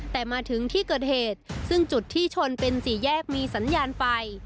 แต่มาถึงที่เกิดเหตุซึ่งจุดที่ชนเป็นสี่แยกมีสัญญาณไฟ